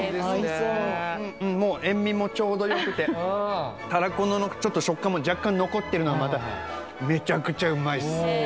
そうもう塩味もちょうどよくてたらこのちょっと食感も若干残ってるのがまためちゃくちゃうまいです